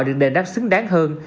được đề đắc xứng đáng hơn